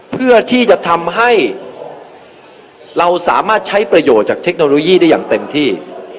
เพื่อที่จะทำให้เราสามารถใช้ประโยชน์จากเทคโนโลยีได้อย่างเต็มที่